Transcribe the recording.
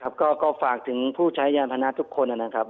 พคก็ฝากถึงผู้ใช้ยานทนาททุกคนนะครับ